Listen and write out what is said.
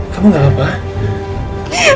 kamu gak apa apa